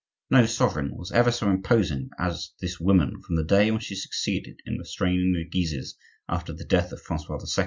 No sovereign was ever so imposing as this woman from the day when she succeeded in restraining the Guises after the death of Francois II.